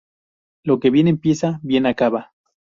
Lo que bien empieza, bien acaba